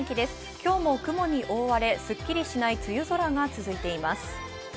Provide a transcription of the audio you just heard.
今日も雲に覆われすっきりしない梅雨空が続いています。